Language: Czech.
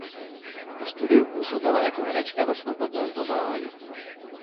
Po studiu působila jako herečka ve svobodném povolání.